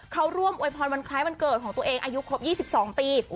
เขาร่วมอวยพรวันคล้ายวันเกิดของตัวเองอายุครบ๒๒ปี